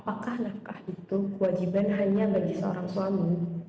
apakah nakkah itu kewajiban hanya bagi seorang suami